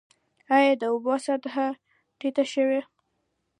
آیا د اوبو سطحه ټیټه شوې؟